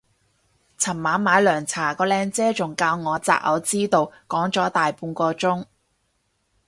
尋晚買涼茶個靚姐仲教我擇偶之道講咗大半個鐘